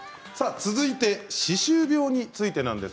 続いて歯周病についてです。